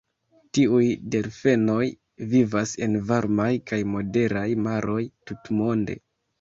Tiuj delfenoj vivas en varmaj kaj moderaj maroj tutmonde.